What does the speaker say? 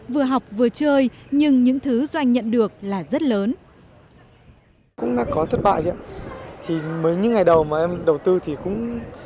vừa học vừa chơi nhưng những thứ doanh nhận được là rất lớn